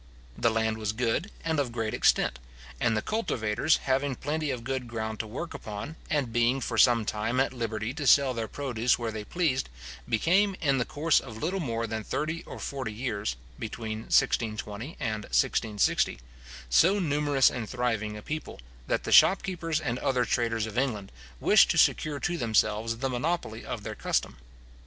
The land was good, and of great extent; and the cultivators having plenty of good ground to work upon, and being for some time at liberty to sell their produce where they pleased, became, in the course of little more than thirty or forty years (between 1620 and 1660), so numerous and thriving a people, that the shopkeepers and other traders of England wished to secure to themselves the monopoly of their custom.